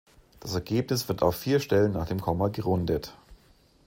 Das Ergebnis wird auf vier Stellen nach dem Komma gerundet.